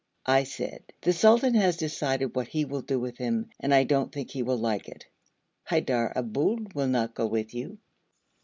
I said, 'The sultan has decided what he will do with him, and I don't think he will like it.' 'Haidar Aboul will not go with you.'